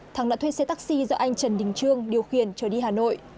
thắng đã thuê xe taxi do anh trần đình trương điều khiển trở đi hà nội